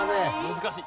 難しい。